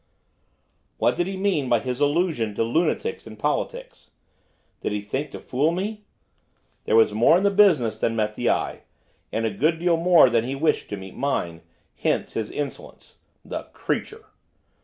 What did he mean by his allusion to lunatics in politics, did he think to fool me? There was more in the business than met the eye, and a good deal more than he wished to meet mine, hence his insolence. The creature.